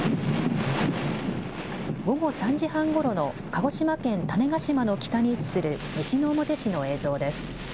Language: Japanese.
午後３時半ごろの鹿児島県種子島の北に位置する西之表市の映像です。